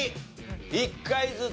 １回ずつ。